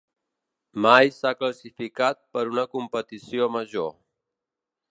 Mai s'ha classificat per una competició major.